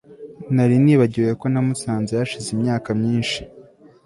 Nari naribagiwe ko namusanze hashize imyaka myinshi